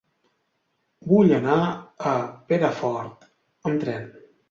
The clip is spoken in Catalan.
Vull anar a Perafort amb tren.